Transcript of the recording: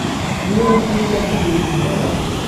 nubwiza bwibintu nkora